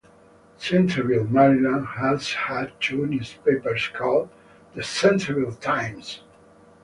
Centreville, Maryland has had two newspapers called the "Centreville Times".